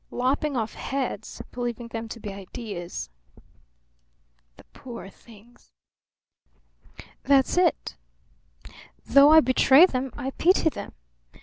Lopping off heads, believing them to be ideas!" "The poor things!" "That's it. Though I betray them I pity them.